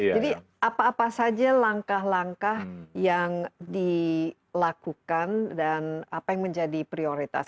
jadi apa apa saja langkah langkah yang dilakukan dan apa yang menjadi prioritas